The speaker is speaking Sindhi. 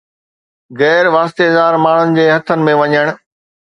غير واسطيدار ماڻهن جي هٿن ۾ وڃڻ